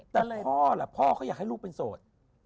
แต่พ่อล่ะพ่อเขาอยากให้ลูกเป็นโสด